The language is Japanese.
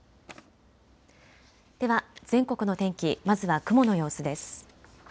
では全国の天気、まずは雲の様子です。